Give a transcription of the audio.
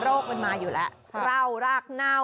ดอกใหญ่ขายอยู่ที่ราคาดอกละ๒บาท